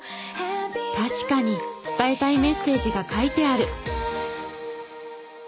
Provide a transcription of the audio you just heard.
確かに伝えたいメッセージが書いてある。